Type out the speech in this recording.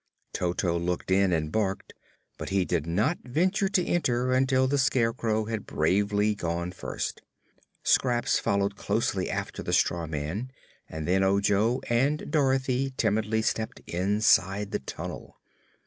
Toto looked in and barked, but he did not venture to enter until the Scarecrow had bravely gone first. Scraps followed closely after the straw man and then Ojo and Dorothy timidly stepped inside the tunnel.